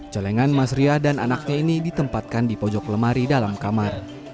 celengan mas ria dan anaknya ini ditempatkan di pojok lemari dalam kamar